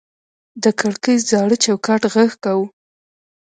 د کړکۍ زاړه چوکاټ غږ کاوه.